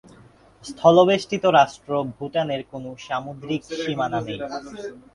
স্থলবেষ্টিত রাষ্ট্র ভুটানের কোন সামুদ্রিক সীমানা নেই।